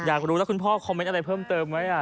อยากรู้แล้วคุณพ่อคอมเมนต์อะไรเพิ่มเติมไหม